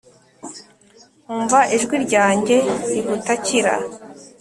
umva ijwi ryanjye rigutakira